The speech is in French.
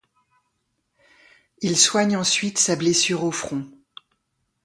Il soigne ensuite sa blessure au front.